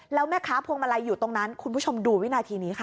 แล้วแม่ค้าพวงมาลัยอยู่ตรงนั้นคุณผู้ชมดูวินาทีนี้ค่ะ